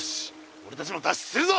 おれたちも脱出するぞ！